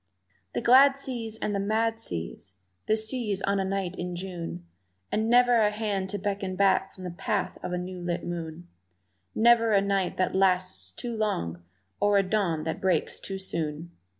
The glad seas and the mad seas, the seas on a night in June, And never a hand to beckon back from the path of the new lit moon; Never a night that lasts too long or a dawn that breaks too soon!